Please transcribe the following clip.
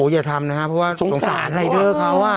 อย่าทำนะเพราะว่าสงสารอะไรด้วยเขา